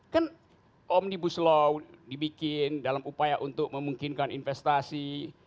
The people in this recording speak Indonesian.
kan omnibus law dibikin dalam upaya untuk memungkinkan investasi